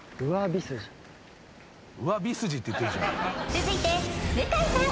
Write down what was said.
続いて向井さん